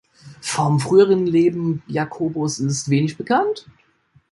Vom frühen Leben Jakobus’ ist wenig bekannt.